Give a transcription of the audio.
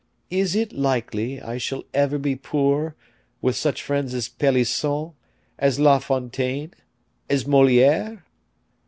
Is it likely I shall ever be poor, with such friends as Pelisson, as La Fontaine, as Moliere?